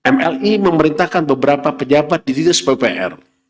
mli memerintahkan beberapa pejabat di dinas pupr